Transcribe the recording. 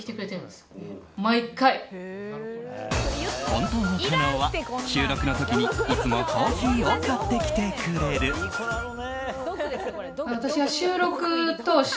本当の加納は、収録の時にいつもコーヒーを買ってきてくれる。